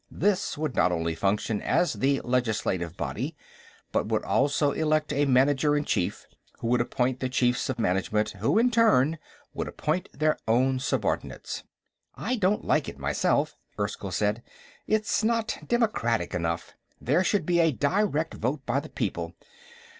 This would not only function as the legislative body, but would also elect a Manager in Chief, who would appoint the Chiefs of Management, who, in turn, would appoint their own subordinates. "I don't like it, myself," Erskyll said. "It's not democratic enough. There should be a direct vote by the people.